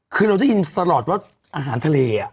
คือเราได้ยินตลอดว่าอาหารทะเล